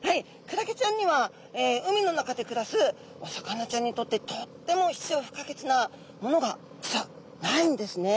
クラゲちゃんには海の中で暮らすお魚ちゃんにとってとっても必要不可欠なものが実はないんですね。